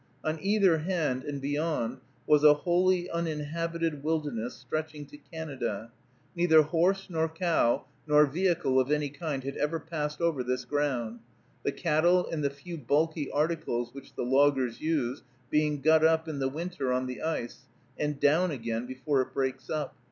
On either hand, and beyond, was a wholly uninhabited wilderness, stretching to Canada. Neither horse nor cow, nor vehicle of any kind, had ever passed over this ground; the cattle, and the few bulky articles which the loggers use, being got up in the winter on the ice, and down again before it breaks up.